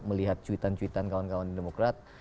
melihat cuitan cuitan kawan kawan di demokrat